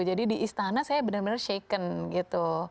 jadi di istana saya benar benar shaken gitu